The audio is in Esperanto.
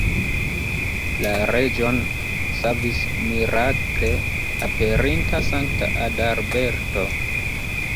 La reĝon savis la mirakle aperinta sankta Adalberto.